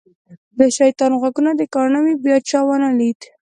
د شیطان غوږونه دې کاڼه وي بیا چا ونه لید.